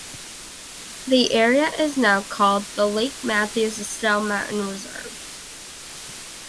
The area is now called the Lake Mathews Estelle Mountain Reserve.